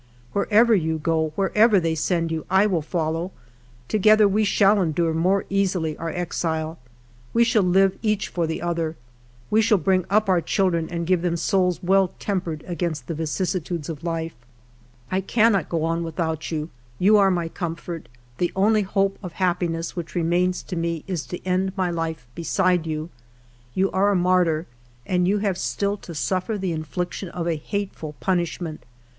" Wherever you go, wherever they send you, I will follow ; together we shall endure more easily our exile. We shall live each for the other. ... We shall bring up our children and give them souls well tempered against the vicissitudes of life. ALFRED DREYFUS 29 " I cannot go on without you ; you are my com fort. The only hope of happiness which remains to me is to end my life beside you. You are a martyr and you have still to suffer the infliction of a hateful punishment.